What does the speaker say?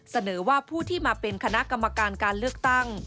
เสนอว่าผู้ที่มาเป็นคณะกรรมการการเลือกตั้ง